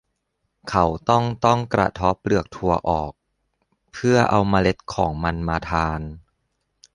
เขาต้องต้องกระเทาะเปลือกถั่วออก เพื่อเอาเมล็ดของมันมาทาน